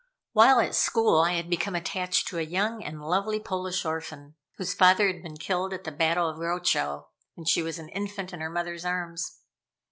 While at school, I had become attached to a young and lovely Polish orphan, whose father had been killed at the battle of Grochow when she was an infant in her mother's arms.